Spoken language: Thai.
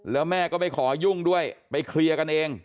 แล้วแม่ก็ไม่ขอยุ่งด้วยไปเคลียร์กันเอง